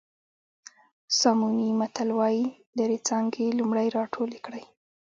ساموني متل وایي لرې څانګې لومړی راټولې کړئ.